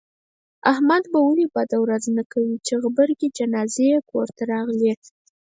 احمد به ولې بده ورځ نه کوي، چې غبرگې جنازې یې کورته راغلې.